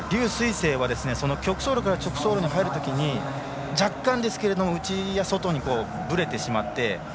青は曲走路から直走路に入るときに若干ですけれども内や外にぶれてしまって。